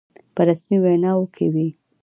په رسمي ویناوو کې وي.